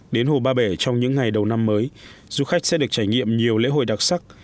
đến hồ ba bể trong những ngày đầu năm mới du khách sẽ được trải nghiệm nhiều lễ hội đặc sắc